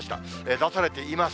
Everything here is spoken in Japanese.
出されています。